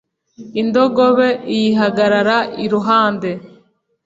indogobe iyihagarara iruhande